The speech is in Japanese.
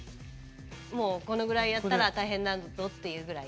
もうこのぐらいやったら大変だぞっていうぐらい。